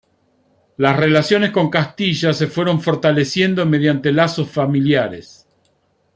Las relaciones con Castilla se fueron fortaleciendo mediante lazos familiares.